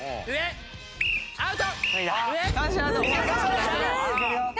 アウト。